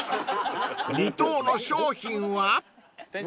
［２等の商品は？］